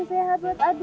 sehat buat adik